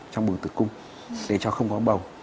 trong bụng tự cung để cho không có bầu